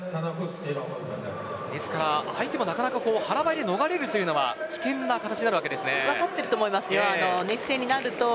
ですから、相手もなかなか腹ばいで逃れるのは危険な形になるわけですね。